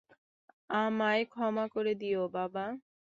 আমায় ক্ষমা করে দিও, বাবা।